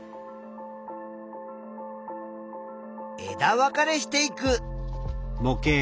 枝分かれしていく。